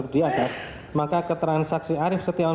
diadat maka keterangan saksi arief setiawan